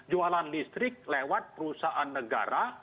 jualan listrik lewat perusahaan negara